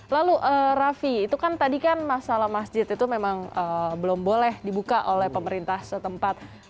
lalu raffi itu kan tadi kan masalah masjid itu memang belum boleh dibuka oleh pemerintah setempat